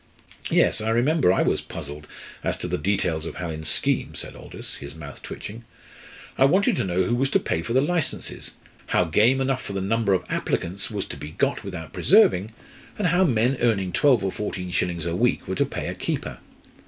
"Yes, I remember I was puzzled as to the details of Hallin's scheme," said Aldous, his mouth twitching. "I wanted to know who was to pay for the licences; how game enough for the number of applicants was to be got without preserving; and how men earning twelve or fourteen shillings a week were to pay a keeper.